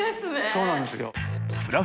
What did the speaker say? そうなんですよ。